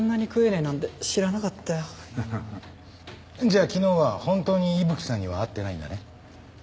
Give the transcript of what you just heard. じゃあ昨日は本当に伊吹さんには会ってないんだね？